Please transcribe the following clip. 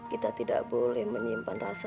kita tidak boleh menjauh